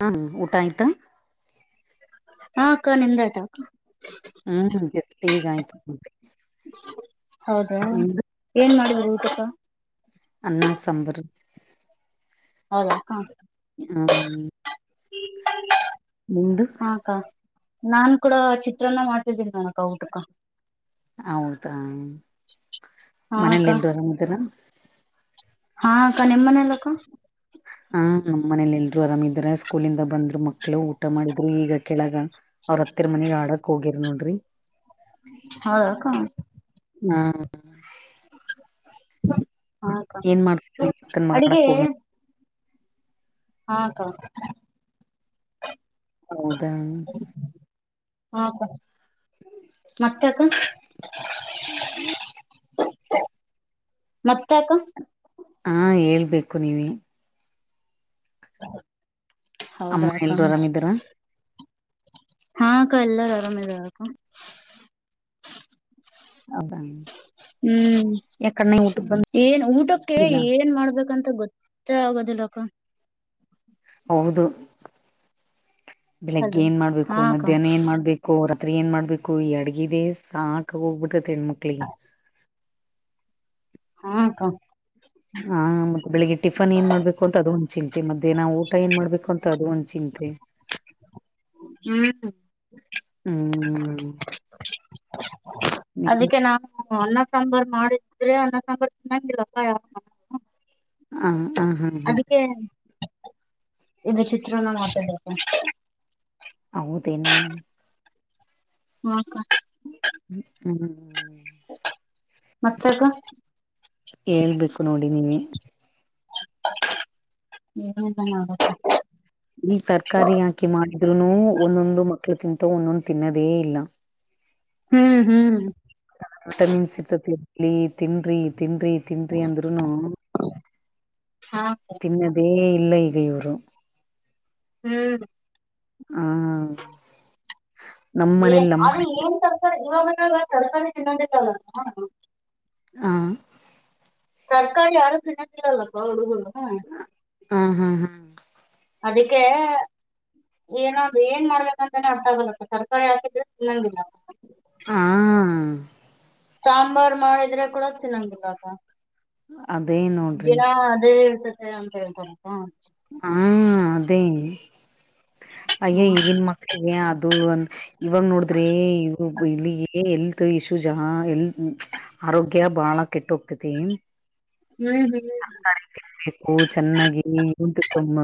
ಹ್ಮ್ ಊಟ ಆಯ್ತಾ ಹಾ ಅಕ್ಕ ನಿಮದಯ್ತಾ ಅಕ್ಕ ಹ್ಮ್ ಜಸ್ಟ್ ಈಗಾಯ್ತು ಊಟ ಹೌದಾ ಏನ್ ಮಾಡಿದ್ರೀ ಊಟಕ್ಕ ಅನ್ನ ಸಾಂಬರ್ ಹೌದಾ ಹ್ಮ್ ನಿಮ್ದು ಆ ಅಕ್ಕ ನಾನ್ ಕೂಡ ಚಿತ್ರನ್ನ ಮಾಡ್ತಿದ್ದೀನಿ ನ ಅಕ್ಕ ಊಟಕ್ಕ. ಹೌದಾ ಹಾ ಅಕ್ಕ ಮನೇಲಿ ಎಲ್ರು ಆರಾಮ್ ಇದರ ಹಾಂ ಅಕ್ಕ ನಿಮ್ ಮನೆಲ್ಲಕ್ಕ ಹಾ ನಮ್ಮ್ ಮನೇಲಿ ಎಲ್ರು ಆರಾಮಿದ್ದರಾ ಸ್ಕೂಲಿಂದ ಬಂದ್ರು ಮಕ್ಳು ಊಟ ಮಾಡಿದ್ರು ಈಗ ಕೆಳಗ ಅವ್ರ ಅತ್ತಿರ ಮನೆಗ್ ಆಡಕ್ ಹೋಗ್ಯರ ನೋಡ್ರಿ ಹೌದಾಕ್ಕ ಹಾಂ ಹಾಂ ಅಕ್ಕ ಏನ್ ಮಾಡ್ತಿದೀರಿ ಅಕ್ಕನ್ ಮಗ ಅಡಿಗೆ ಆಡಕ್ ಹೋಗಿ ಹಾಂ ಅಕ್ಕ ಹೌದಾ ಹಾಂ ಅಕ್ಕ ಮತ್ತೆ ಅಕ್ಕ ಮತ್ತೆ ಅಕ್ಕ ಹಾಂ ಹೇಳ್ಬೇಕು ನೀವೇಯ ಅಮ್ಮ ಎಲ್ರೂ ಆರಾಮ್ ಇದಾರಾ ಹಾಂ ಅಕ್ಕ ಎಲ್ಲಾರು ಆರಾಮ್ ಇದದಾವಕ್ಕ ಹೌದಾ ಹ್ಮ್ ಯಾಕಣ್ಣ ಊಟಕ್ ಏನ್ ಊಟಕ್ಕೆ ಬಂದಿಲ್ಲ ಏನ್ ಮಾಡ್ಬೇಕಂತ ಗೊತ್ ಗೊತ್ತೆ ಆಗೋದಿಲ್ಲ ಅಕ್ಕ ಹೌದು ಬೆಳಗ್ಗೆ ಹಲೋ ಏನ್ ಹಾ ಮಾಡ್ಬೇಕು ಅಕ್ಕ ಮಧ್ಯಾಹ್ನ ಏನ್ ಮಾಡ್ಬೇಕು ಕೋ ರಾತ್ರಿ ಏನ್ ಮಾಡ್ಬೇಕು ಈ ಅಡ್ಗಿದೆ ಸಾಕ ಹೋಗ್ಬಿಟ್ಟೈ ಹೆಣ್ಮಕ್ಳಿಗೆ ಹಾಂ ಅಕ್ಕ ಹಾಂ ಮತ್ತೆ ಬೆಳಿಗ್ಗೆ ಟಿಫನ್ ಏನ್ ಮಾಡ್ಬೇಕು ಅಂತ ಅದು ಒಂದ್ ಚಿಂತೆ ಮದ್ಯಾಹ ನಾ ಊಟ ಏನ್ ಮಾಡ್ಬೇಕು ಅಂತ ಅದು ಒಂದ್ ಚಿಂತೆ ಹ್ಮ್ ಹ್ಮ್ ನಿಮ್ದು ಆದಿಕ್ಕೆ ನಾ ಹ್ಮ್ ಅನ್ನ ಸಾಂಬಾರ್ ಮಾಡಿದ್ರೆ ಅನ್ನ ಸಾಂಬಾರ್ ತಿನ್ನಕಿಲ್ಲ ಅಕ್ಕ ಹ ಹ ಹಾ ಹಾ ಅದಕ್ಕೆ ಇದು ಚಿತ್ರನ ಮಾಡ್ತಾ ಇದೀನಿ ಅಕ್ಕ ಹೌದೇನು ಹುಂ ಅಕ್ಕ ಹ್ಮ್ ಹ್ಮ್ ಮತ್ತೆ ಅಕ್ಕ ಹೇಳ್ಬೇಕು ನೋಡಿ ನೀವೇ [unintelligible] ಈ ಸರ್ಕಾರಿ ಹಾಕಿ ಮಾಡಿದ್ರುನು ಒಂದೊಂದು ಮಕ್ಳು ತಿಂತವು ಒಂದೊಂದು ತಿನ್ನೋದೇ ಇಲ್ಲ ಹ್ಮ್ ಹ್ಮ್ ವಿಟಮಿನ್ಸ್ ಸಿಕ್ತಾತಿ ತಿಲಿ ತಿನ್ರಿ ತಿನ್ರಿ ತಿನ್ರಿ ಅಂದ್ರುನು ಹಾಂ ಅಕ್ಕ ತಿನ್ನದೇ ಇಲ್ಲ ಈಗ ಇವರು ಹ್ಮ್ ಹಾಂ ಮನೆ [unintelligible] ಹಾಂ ತರಕಾರಿ ಯಾರೂ ತಿನ್ನಕಿಲ್ಲ ಅಕ್ಕ ಹುಡುಗರು ಹಾಂ ಹಾಂ ಹಾಂ ಅದಿಕ್ಕೆ ಏನಾದಂದ್ರ ಏನ್ ಮಾಡ್ಬೇಕ ಅಂತಾನ ಅರ್ಥಗಲ್ಲಪ್ಪ ತರಕಾರಿ ಹಾಕಿದ್ರೆ ತಿನಂಗಿಲ್ಲ ಹಾ ಸಾಂಬಾರ್ ಮಾಡಿದ್ರೆ ಕೂಡ ತಿನಂಗಿಲ್ಲ ಅಕ್ಕ ಅದೇ ನೋಡ್ರಿ ದಿನ ಅದೆ ಇರ್ತತೆ ಅಂಥ ಹೇಳ್ತರಕ್ಕ ಹ್ಮ ಅದೇ ಅಯ್ಯ ಹ್ಮ್ ಈಗನ್ ಮಕ್ಕ ಳಿಗೆ ಅದು ಇವಾಗ ನೋಡಿದ್ರೆ ಇ ಇಲ್ಲಿಗೆ ಎಲ್ತ್ ಇಶ್ಯೂ ಜಾಸ್ತಿ ಎಲ್ತ್ ಹ್ಮ್ ಆರೋಗ್ಯ ಬಹಳ ಕೆಟ್ಟೋತತೀ ಹ್ಮ್ ಹ್ಮ್ [unintelligible] ತಿನ್ಬೇಕು ಚೆನ್ನಾಗಿ ಉಂಟು ತಮ್ಮ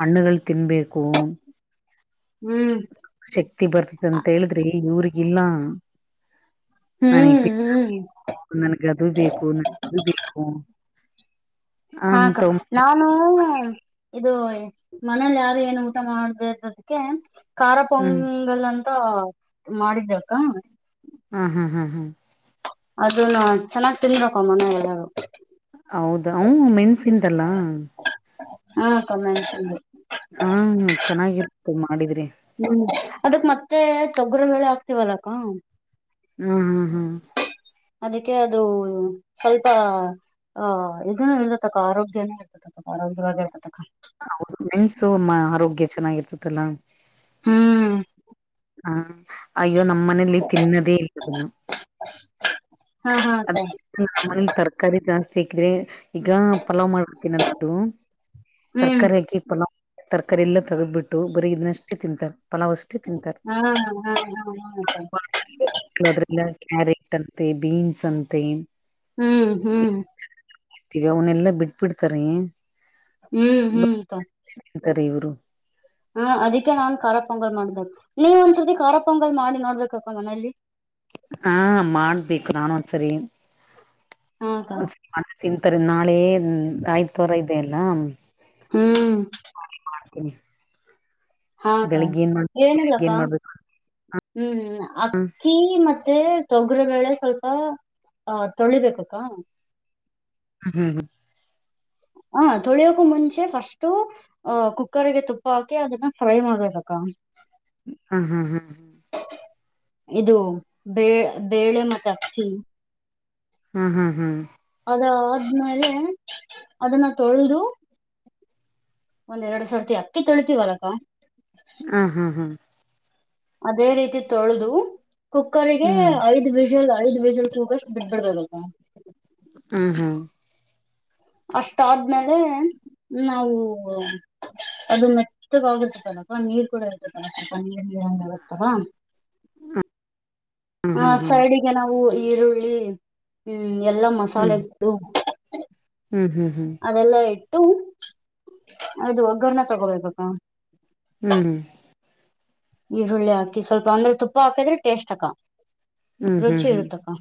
ಹಣ್ಣುಗಳು ತಿನ್ಬೇಕು ಹ್ಮ್ ಶಕ್ತಿ ಬರ್ತದ ಅಂತ ಹೇಳಿದ್ರೆ ಇವ್ರಗಿಲ್ಲ ಹ್ಮ್ ನನಗ್ ಹ್ಮ್ ನನ್ಗ ಅದು ಬೇಕು ನಂಗೆ ಇದು ಬೇಕು ಹಾ ಅಂತ ಅಕ್ಕ ನಾವು ಹ ಇದು ಮನೇಲಿ ಯಾರು ಏನು ಊಟ ಮಾಡುದದಕ್ಕೆ ಖಾರ ಹ್ಮ್ ಪೊಂಗಲ್ ಅಂತ ಮಾಡಿದ್ದೆ ಅಕ್ಕ ಹ್ಮ ಹ್ಮ್ ಹಾ ಹ್ಮ್ ಅದನ್ನು ಚೆನ್ನಾಗ್ ತಿನ್ಬೇಕೂ ಮನೆಯಲ್ಲಿ ಎಲ್ಲರು ಹೌದ ಅವ ಮೆಣ್ಸಿಂದಲ್ಲಾ ಹಾ ಅಕ್ಕ ಮೆಣಸಿಂದು ಹ್ಮ ಚೆನ್ನಾಗಿರುತ್ತೆ ಮಾಡಿದ್ರೆ ಹ್ಮ್ ಅದಕ್ಕೇ ಮತ್ತೆ ತೊಗರಿಬೆಳೆ ಆಕ್ತಿವಲ್ಲ ಅಕ್ಕ ಹ್ಮ್ ಹ್ಮ್ ಹ್ಮ್ ಅದಕ್ಕೆ ಅದು ಸ್ವಲ್ಪ ಆಹ ಇದನ್ನ ನಿಲ್ಲ ತಕ್ಕ ಆರೋಗ್ಯನೂ ಇತ ಆರೋಗ್ಯವಾಗಿ ಅಕ್ಕ ಹೌದು ಮೆನ್ಸು ಮ ಆರೋಗ್ಯ ಚೆನ್ನಾಗಿರ್ತತಲ್ಲ ಹ್ಮ್ ಹ್ಮ ಅಯ್ಯೋ ನಮ್ಮ ಮನೆ ಯಲ್ಲಿ ತಿನ್ನದೇ ಇಲ್ಲ ಹಾ ಹಾ ಗೊತ್ತಾ ನಮಲ್ಲಿ ತರಕಾರಿ ಜಾಸ್ತಿ ಆಕಿದ್ರೆ ಈಗ ಪಲಾವ್ ಮಾಡ್ಬಿಡ್ತೀನಲ್ಲ ಅದು ಹ್ಮ್ ತರಕಾರಿಯಾಕಿ ಪಲಾವ್ ತರಕಾರಿ ಎಲ್ಲ ತಗ್ಬಿಟ್ಟು ಬರಿ ಇದ್ನಷ್ಟೇ ತಿಂತಾರೆ ಪಲಾವ್ ಅಷ್ಟೇ ತಿಂತಾರೆ ಹ್ಮ್ ಹ್ಮ್ ಹ್ಮ್ ಹ್ಮ ಅದ್ರಲ್ಲ ಕ್ಯಾರೆಟ್ ಅಂತೆ ಬೀನ್ಸ್ ಅಂತೆ ಹ್ಮ್ ಹ್ಮ್ ಇವನ್ನೆಲ್ಲ ಬಿಟ್ಬಿಡ್ತಾರೆ ಹ್ಮ್ ಹ್ಮ್ ಅಂತಾರೆ ಇವರು ಹಾ ಅದಕ್ಕೆ ನಾನ್ ಖಾರ ಪೊಂಗಲ್ ಮಾಡ್ದ ನೀವ್ ಒಂದ್ಸರ್ತಿ ಖಾರ ಪೊಂಗಲ್ ಮಾಡಿ ನೋಡ್ಬೇಕಪ್ಪ ಮನಲಿ ಹಾ ಮಾಡ್ಬೇಕು ನಾನುಂದ್ ಸರಿ ಹಾಕ್ಕ ಅದು ತಿಂತಾರೆ ನಾಳೆ ಆಯ್ತ್ ವಾರ ಇದೆ ಅಲ್ಲ ಹ್ಮ್ ಹ ಮಾಡತ [inaudible] ಹಾ ಅಕ್ಕ ಏನಿಲ್ಲ ಬೆಳಿಗ್ಗೆ ಅಕ್ಕ ಏನ್ ಮಾಡ್ಬೇಕು ಹ್ಮ್ ಅಕ್ಕಿ ಮತ್ತೆ ತೊಗರಿಬೇಳೆ ಸ್ವಲ್ಪ ಹ ತೊಳಿಬೇಕ ಅಕ್ಕ ಹ ಹ್ಮ್ ಹ್ಮ್- ಹ ತೊಳಿಯೋಕು ಮುಂಚೆ ಫಸ್ಟು. ಅಹ ಕುಕ್ಕರ್ ಗೆ ತುಪ್ಪ ಹಾಕಿ ಅದನ್ನ ಫ್ರೈ ಮಾಡದಕ್ಕ. ಹ್ಮ ಹಾ ಹಾ- ಇದು ಬ ಬೇಳೆ ಮತ್ತ ಅಕ್ಕಿ. ಹ್ಮ್ ಹ್ಮ್ ಹ್ಮ್- ಅದ ಆದಾದ್ಮೇಲೆ ಅದನ್ನ ತೊಳೆದು. ಒಂದ್ ಎರಡು ಸಾವರರ್ತಿ ಅಕ್ಕ ತೊಳಿತತಿವಲಾ. ಹ್ಮ್ ಹ್ಮ್ ಹ್ಮ್- ಅದೇ ರೀತಿ ತೊಳೆದು. ಕುಕ್ಕಗೆ ಐದ್ ವಿಜಲ್ ಐದ್ ವಿಜಲ್ ಕೂಗಷ್ಟಟ್ ಬಿಡ್ಬಿಡ್ಬೇಕದತ್ತ. ಹ್ಮ್ ಹ್ಮ್- ಅಷ್ಟಾದ್ಮೇಲೆ ನಾವು. ಅದು ಮೆತ್ತಗ ಆಗುತ್ತ ಚಲಪ ನೀರ್ ಕೂಡ ಇರ್ತತ್ತಲ ಸ್ವಲ್ಪ ನೀರ್ ನೀಂಗರುತ್ತವಾ. ಹ ಹ್ಮ್ ಹ್ಮ್ ಹ್ಮ್ ಹ್ಮ್ ಹ್ಮ್ ಸೈಡಿಗೆ ನಾವು ಈರುಳ್ಳಿ ಹ್ಮ್ ಎಲ್ಲ ಮಾಡ. ಮಸಾಲೆು. ಹ್ಮ್ ಅದೆಲ್ಲಾ ಇಟ್ಟು ಅದು ಒಗ್ಗರಣನ್ನ ತಗೋಬೇಕಕ್ಕ. ಹ್ಮ್- ಈರುಳ್ಳಿಾಕಿ ಸ್ವಲ್ಪ ಅಂದ್ರೆ ತುಪ್ಪ ಹಾಕಿದ್ರೆ ಟೇಸ್ಟ್ ಅಕ್ಕ. ಹ್ಮ್ ಹ್ಮ್ ರುಚಿ ಹ್ಮ್ ಇರುತಕ್ಕ.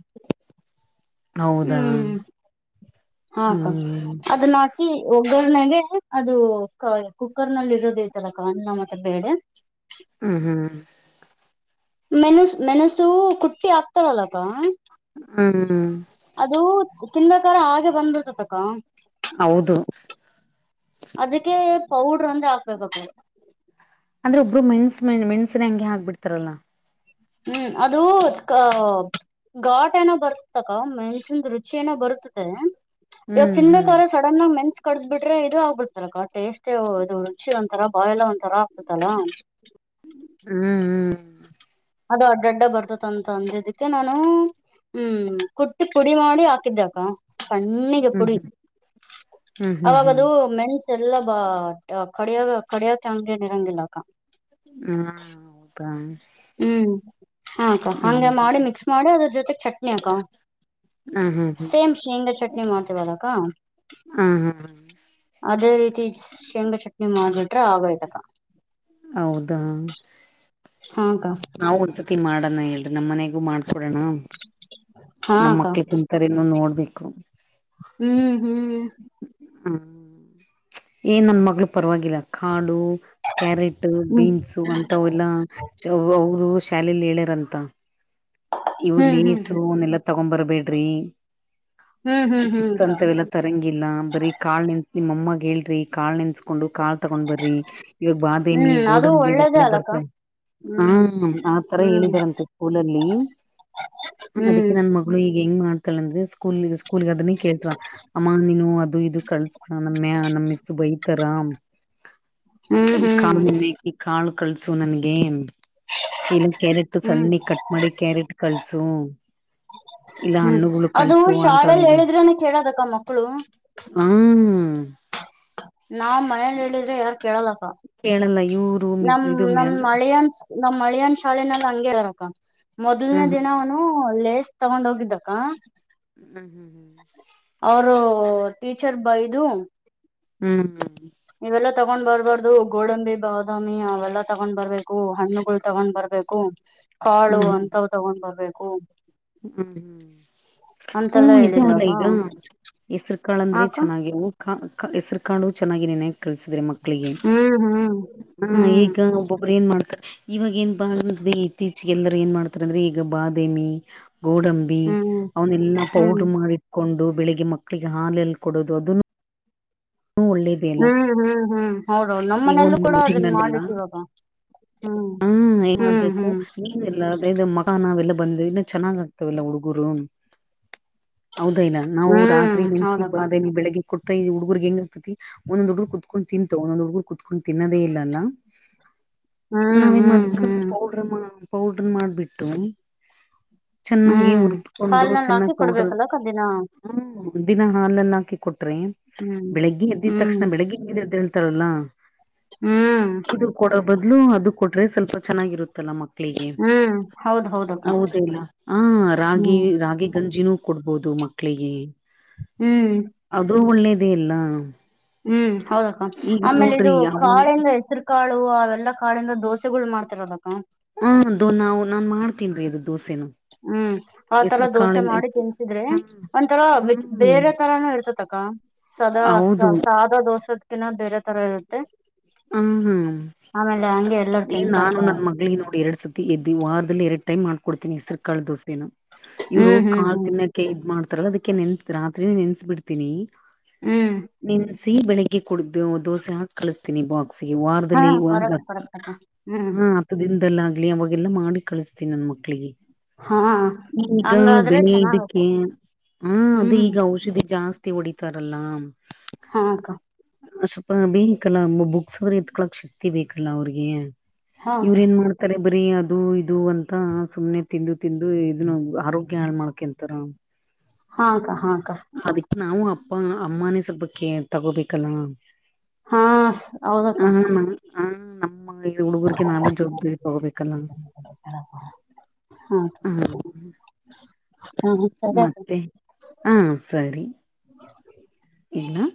ಹೌದಾ ಹ್ಮ್ ಹಾಕ್ಕ ಹ್ಮ್ ಅದ ನಾ. ಒಗ್ಗನಾಗೆ ಅದು ಕುಕ್ಕರ್ ನಲ್ಲಿ ಇರೋದ ಐತಲ ಕವ ಮತ್ರ ಬೇಡ. ಹ್ಮ್ ಹ್ಮ್- ಮೆಣಸು ಮೆಣಸು ಕುಟ್ಟಿ ಆಾಕ್ತಾರಲ್ಲಪ್ಪ. ಹ್ಮ್- ಅದು ತಿಂದಕಾರ ಹಾಗೆ ಬಂದಬಿಡ್ತತಕ್ಕ. ಹೌದು. ಅದಕ್ಕೆ ಪೌಡ್ರ ಅಂದ ಹಾಕ್ಬೇಕ. ಅಂದ್ರೆ ಒಬ್ರು ಮೆಣಸ ಮೆಣಸಿನಿ ಹಂ ಹಾಕ್ಬ ಬಿಡ್ತಾರಲ್ಲಾ. ಹ್ಮ್ ಅದು. ಾಟ್ ಏನೋ ಬರ್ತತಕ ಮೆನ್ಸನ್ ರುಚಿ ಏನೋ ಬರುತ್ತದೆ ಇವಾಗ ಹ್ಮ್ ಹ್ಮ್ ತಿನ್ಬೇಕಾದ್ರೆ ಸ. ಡನ್ನ ಮೆನ್ಸ್ ಕದ್ ಬಿಟ್ರೆ ಇದು ಆಗ್ಬಿಡ್ತಲ್ಲ ಟೇಸ್ಟ್ೇ ಇದು ರುಚಿ ಒಂಂತರಾ ಬಾಯ್ಲಾ ಒಂಂತರ ಆಗ್ತತಲ್ಲ. ಹ್ಮ್- ಅದು ಅಡ್ಡಡ್ಡ ಬರ್ತತೆ ಅಂತ ಅಂದಿದ್ದಕ್ಕೆ ನಾನು. ಹ್ಮ್ ಕುಟ್ಟಿ ಪುಡಿ ಮಾಡಿ ಹಾಕಿದ್ದಕ್ಕ. ಕಣ್ಣಿಗೆ ಹ್ಮ್ ಹ್ಮ್ ಪುಡಿ ಹ್ಮ್ ಹ್ಮ್ ಹ್ಮ್ ಹ್ಮ್ ಹ್ಮ್ ಅವಾಗದು ಮೆಣಸು. ಎಲ್ಲ ಬ ಕಡಿಯ ಕಡಿಯಕ್ಕೆ ಹಂಗೆ ನಿರಂಗಿಲ್ಲಾಕ್ಕ. ಹ್ಮ ಹೌದಾ. ಹ್ಮ್ ಹಾಕ್ಕ ಹ್ಮ್ ಹಗೆ ಮಾಡಿ ಮಿಕ್ಸ್ ಮಾಡಿ ಅದ್ರ ಜೊತೆ ಚಟ್ನಿ ಅಕ್ಕ. ಹಾಂ ಹಾಂ ಹಾಂ- ಸೇಮ್ ಶೇಂಗಾ ಚಟ್ನಿ ಮಾಡ್ತವದಕ್ಕ. ಹಾ ಹಾ ಹಾ- ಅದೇ ರೀತಿ ಶೇಂಗಾ ಚಟ್ನಿ ಮಾಡಿಟ್ರೆ ಆಗೋಯ್ತಕ. ಹೌದಾ. ಹಾಕ್ಕಾ. ನಾವವು ಒಂದ್ಸತಿ ಮಾಡೋಣ ಹೇಳ್ರಿ ನಮ್ಮ್ನೆಗೂ ಮಾಡ್ಕೊಡೋಣ. ಹಾ ನಮ ಅಕ್ಕ ಮಕ್ಳ ಕುಂತರ ಇನ್ನು ನೋಡ್ಬೇಕು. ಹ್ಮ್ ಹ್ಮ್ ಹ್ಮ್ ಏನ್ ನನ್ ಮಗಳು ಪರವಾಗಿಲ್ಲ ಕಾಡು. ಕ್ಯಾರೆಟ್ ಹ್ಮ್ ಬೀನ್ಸ್ ಅಂತ ಎಲ್ಲಾ ಅವರು ಶಾಲಲಿ ಹೇಳ್ಯಾರಂತ. ಇವದ ಹ್ಮ್ ಹ್ಮ್ ಹ್ಮ್ ಲೇಸುನ್ನೆಲ್ಲಾ ತಗೊಂಡ್ ಬರ್ಬೇಡ್ರಿ ಹ್ಮ್ ಹ್ಮ್ ಚಿಪ್ಸ್ ಅಕ್ಕ ಅಂತವೆಲ್ಲ. ತರಂಗಿಲ್ಲ ಬರಿೀ ಕಾಳ ನೆನ್ತ್ ನಿಮ್ಮಮ್ಮಾಗ ಹೇಳ್ರಿ ಕಾಳ ನೆಸ್ಕೊಂಡು ಕಾಳ. ತಕೊಂಡ್ ಬರ್ರಿ ಇವಾಗ ಬಾದಾಮಿ ಹ್ಮ್ ಅದು ಗೋಡಂಬಿ ಒಳ್ಳೇದೇ ಇವೆಲ್ಲ ಅಲ್ಲಕ್ಕ ಬರ್ತಾ. ಹಾ ಹ್ಮ್ ಆತರ ಹ್ಮ್ ಹೇಳಿದಾರಂತೆ ಸ್ಕೂಲಲ್ಲಿ. ಅದಕ್ಕೆ ಹ್ಮ್ ನನ್ ಮಗಳು ಈಗ ಹೆಂಗ ಮಾಡ್ತಾಳ ಅಂದ್ರೆ. ಸ್ಕೂಲ್ ಸ್ಕೂಲ್ ಅದನ್ನೇ ಕೇಳ್್ರ ಅಮ್ಮ ನೀನು ಅದು ಇದು ಕಳ್ಸ್ಕ ನಮ್ಮ್ಯಾ ನಮ್ಮಸ್ತು ಬೈ. ರಾಮ ಹ್ಮ್ ಹ್ಮ್ ಕಿ ಕಾಳು ಕಳ್ಸು ನನ್ಗೇನ್. ಕಲ ಕ್ಯಾರೆಟ್ ಹ್ಮ್ ಸಣ್ಣಿ ಕಟ್ ಮಾಡಿ ಕ್ಯಾರೆಟ್ ಕಳ್ಸು. ಇಲ್ಲ ಹ್ಮ್ ಹಣ್ಣುಗಳು ಅದು ಕಳ್ಸು ಅಂತಾಳ ಶಾಲೆೆಯಲ್ಲಿ ಈಗ ಹೇಳಿದ್ರನ ಕೇಳದಕ್ಕ ಮಕ್ಕಳು. ಹ್ಮ್- ನಾವ್ ಮನೇೆಯಲ್ಲಿ ಹೇಳಿದ್ರೆ ಯಾರ್ ಕೇಳಲಕ್ಕ ಕೇಳಲ್ಲ ಇವ್ರು ಮಿಸ್ ನಮ ಇದು ನಮ ಮೇಡ ಮಳೆಯನ್. ನಮ್ಮ್ ಮಳಯನ್ ಶಾಲೆನಲ್ಲಿ ಹಂಗೆ ಇರಕ ಮೊದ್ನೇ ಹ್ಮ್ ದಿನ. ನನು ಲೇಸ್ ತಗೊಂಡ್ ಹೋಗಿದ್ದಕ್ಕ. ಹ್ಮ್- ಅವರು ಟೀಚರ್ ಬೈದು. ಹ್ಮ್್ಮ- ಇವೆಲ್ಲಾ ತಗೊಂಡ್ ಬರ್ಬಾರ್ದು ಗೋಡಂಬಿ ಬಾದಾಮಿ ಅವೆಲ್ಲಾ ತಗೊಂಡ್ ಬರ್ಬೇಕು ಹಣ್ಣುಗಳು ತಗೊಂಡ್ ಬರ್ಬೇಕು. ಕಾಳು ಹ್ಮ್ ಅಂತ್ ತಗೊಂಡ್ ಬರ್ಬೇಕು. ಹ್ಮ್ ಹ್ಮ್- ಹ್ಮ ಅಂತೆಲ್ಲಾ ಇದ ಹೇಳಿದ್ರಕ್ಕ ಈಗ ಹೆಸರು ಕಾಳಂದ್ರೆ ಆಕ ಚೆನ್ನಾಗಿವು. ಹೆಸರು ಕಾಂಡು ಚೆನ್ನಾಗಿ ನೆನ ಕಳಸಿದ್ರಿ ಮಕ್ಕಳಿಗೆ. ಹ್ಮ್ ಹ್ಮ್ ಹಾ ಹ್ಮ್ ಈಗ ಒಬ್ಬೊಬ್ರು ಏನ್ ಮಾಡ್ತಾರೆ. ಇವಾಗ ಏನ್ ಬಾ ಅೆ ಇತ್ತೀಚಿಗೆಲ್ಲರು ಏನ್ ಮಾಡ್ತಾರ ಅಂದ್ರೆ ಈಗ ಬಾದಾಮಿ. ಗೋಡಂಬಿ ಹ್ಮ್ ಅವನ್ನೆಲ್ಲಾ ಹ್ಮ್ ಪೌಡ್ರ ಮಾಡಿಟ್ಕೊಂಡು ಬೆಳಿಗ್ಗೆ ಮಕ್ಕಳಿಗೆ ಹಾಲಲ್ಲಿ ಕೊಡೋದು ಅದನ್ನು. ಒಳ್ಳೇದು. ಹ್ಮ್ ಹ್ಮ್ ಹ್ಮ್ ಹೌದ ನಮ್ಮನೆಲ್ಲೂ ಒಂದು ಕೂಡ ಅದನ್ನ ಮಾಡಟ್ಟ ಇವಾಗ. ಹ್ಮ ಏನ್ ಮಾಡ್ಬೇಕು ನೀಲ್ಲ. ನಾವೆಲ್ಲ ಬಂದ ಇನ್ನು ಚೆನ್ನಾಗ್ ಆಗ್ತವೆಲ್ಲ ಹುಡುಗರು. ಹೌದ ಇಲ್ಲ ನಾವು ಹ್ಮ್ ರಾತ್ರಿ ನೆನಸಿ ಹೌದಕ್ಕ ಬಾದಾಮಿ ಬೆಳಿಗ್ಗೆ ಕೊಟ್ಟ. ಹುಡುಗುರಿಗಿ ಹೆಂಗ ಇರ್ತೈತಿ ಒಂದ ಹುಡುಗ್ ಕುತ್ಕೊಂಡ ತಿಂತ. ತಗೊ ಹುಡ್ಗರ ಕುತ್ಕೊಂಡು ತಿನ್ನೋದೇ ಇಲ್ಲಲ್ಲ ಹ್ಮ್ ನಾವೇನ್ ಹ್ಮ್ ಮಾಡ್ಬೇಕ. ಹ್ಮ್ ಪೌಡ್ರ ಮಾ ಪೌಡ್ರ ಮಾಡ್ಬಿಟ್ಟು. ಚೆನ್ನಾಗಿ ಹ್ಮ್ ಉರ್ದುಕೊಂಡು ಹಾಲ್ನಲ್ಲಿ ಹಾಕಿ ಚೆನ್ನಾಗಿ ಪೌಡ್ರ. ಕೊಡ್ಬೇಕಲ್ಲಕ್ಕ ದಿನ ಹೂಂ ದಿನ ಹಾಲಲ್ಲಿ ಹಾಕಿ ಕೊಟ್ರೆ ಹ್ಮ್ ಬೆಳಿಗ್ಗೆ ಎದ್ದಿದ ಹ್ಮ್ ತಕ್ಷಣ ಬೆಳಿಗ್ಗೆ. ಎದ್ದ ಹೇಳ್ತಾರಲ್ಲ. ಹೂಂ- ಕೊಡೋ ಬದಲು ಅದು ಕೊಟ್ರೆ ಸ್ವಲ್ಪ ಚೆನ್ನಾಗಿರುತ್ತಲ್ಲ ಮಕ್ಕಳ. ಮಕ್ಕಳಿಗೆ ಹ್ಮ್ ಹೌದ್ ಹೌದಕ್ಕ ಹೌದಲ್ಲ ಹ್ಹ ರಾಗಿ ಹ್ಮ್ ರಾಗಿ ಗಂಜಿನೂ. ಕೊಡ್ಬೋದು ಮಕ್ಕಳಿಗಿ. ಹೂಂ- ಅದು ಒಳ್ಳೇದೇ ಇಲ್ಲ. ಹೂಂ ಹೌದಕ್ಕ ಆಮೇಲೆ ಇದು ಯಾವ ಕಾಳಯಿಂದ ಹೆಸರು ಕಾಳು ಅವೆಲ್ಲಾ ಕಾಳಿಂದ ದೋಸೆಗಳು ಮಾಡ್ತರಲ್ಲಾಕ್ಕ ಹೂಂ ಅದು ನಾವು ನಾನ್ ಮಾಡ್ತೀನಿ ಅದು ದೋಸೆನ ಹೂಂ ಆ ತರ ದೋಸೆ ಮಾಡಿ ತಿನ್ಸಿದ್ರೆ ಹ್ಮ್ ಒಂಥರಾ ಹ್ಮ್ ಬೇರೆ ತರಾನು ಇರತೈತಿ ಅಕ್ಕ ಸದಾ ಹೌದು ಸಾದಾ ದೋಸೆ ಕಿನ್ನ ಬೇರೆ ತರ ಇರುತ್ತೆ ಹ್ಮ್ ಹ್ಮ್ ಆಮೇಲೆ ಹಂಗೆ ಎಲ್ಲರೂ ಏನ್ ತಿಂತಾರ್ ನಾನು ಕಣೆ ನನ್ ಮಗಳಿಗೆ ನೋಡಿ ಎರಡ್ ಸತಿ ಎದು ವಾರದಲ್ಲಿ ಎರಡು ಟೈಮ್ ಮಾಡ್ಕೊಡ್ತಿನಿ ಹೆಸರಕಾಳ ದೋಸೆನಾ ಇವರು ಹ್ಮ್ ಹ್ಮ್ ಕಾಳ ಹ್ಮ್ ತಿನ್ನೋಕ್ಕೆೆ ಇದ ಮಾಡ್ತಾರಲ್ಲ ಅದಕ್ಕೆ ನೆನ್ಸ ರಾತ್ರಿ ನೆನ್ಸಿ ಬಿಡ್ತನಿ ಹ್ಮ್ ನೆನ್ಸಿ ಬೆಳಿಗ್ಗೆ ಕೊಡುತಿನಿ ದೋಸೆ ಹಾಕಿ ಕಳಿಸತೀನಿ ಬಾಕ್ಸ್ ಈ ಹಾ ವಾರದಲ್ಲಿ ಒಂದು ಇವಾಗ ಕರೆಕ್ಟ್ ಕರೆಕ್ಟ್ ಅಕ್ಕ ಹ್ಮ್ ಹು ಹತ್ತು ದಿನದಲ್ಲಿ ಆಗ್ಲಿ ಅವೆಗೆಲ್ಲಾ ಮಾಡಿ ಕಳಿಸ್ತೀನಿ ನನ್ನ ಮಕ್ಳಿಗೆ ಹಾ ಈಗ ಹಂಗಾದ್ರೆ ಬೆಳಿ ಚೆನ್ನಾಗತ್ತ ಇದಕ್ಕೆ ಹ ಅದು ಹ್ಮ್ ಈಗ ಔಷಧಿ ಜಾಸ್ತಿ ಹತ್ತಿ ಓಡಿ ತರಲ್ಲಾ ಹಾ ಅಕ್ಕಾ ಸ್ವಲ್ಪ ಬೇಕಲ್ಲ ಬುಕ್ಸ್ ಬರೆಯಕ್ಕೆ ಶಕ್ತಿ ಬೇಕಲ್ಲ ಅವ್ರಿಗೆ ಹಾ ಇವ್ರ ಅಕ್ಕ ಏನ್ ಮಾಡ್ತಾರೆ ಬರೀ ಅದು ಇದು ಅಂತ ಸುಮ್ನೆ ತಿಂದು ತಿಂದು ಇದನ್ನು ಆರೋಗ್ಯ ಹಾಳ್ ಮಾಡಕಂತಾರ ಹಾ ಅಕ್ಕ ಹಾ ಅಕ್ಕ ಅದಕ್ಕೆ ನಾವು ಅಪ್ಪ ಅಮ್ಮಾನೇ ಸ್ವಲ್ಬ ಕೆರ್ ತಗೋಬೇಕಲ್ಲ ಹಾ ಹ ಹೌದಕ್ಕ ಹ ಹ ಈ ಹುಡುಗರ್ರಿಗೆ ನಾವೇ ಜವಾಬ್ದಾರಿ ತಗೋಬೇಕಲ್ಲ ಹಾ ಅಕ್ಕ ಹ ಹ್ಮ ಸರಿ ಅಕ್ಕ ಮತ್ತೆ ಹಾ ಸರಿ ಏನು